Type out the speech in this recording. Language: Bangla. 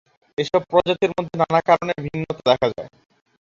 এসব প্রজাতির মধ্যে নানা কারণে ভিন্নতা দেখা যায়।